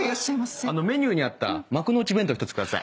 メニューにあった幕の内弁当１つ下さい。